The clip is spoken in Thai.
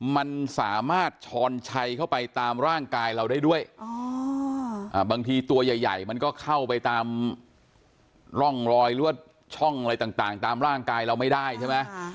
มันสามารถช้อนชัยเข้าไปตามร่างกายเราได้ด้วยบางทีตัวใหญ่มันก็เข้าไปตามร่องรอยหรือว่าช่องอะไรต่างตามร่างกายเราไม่ได้ใช่ไหม